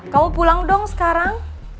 kamu pulang dong sekarang